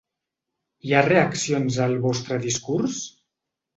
Hi ha reaccions al vostre discurs?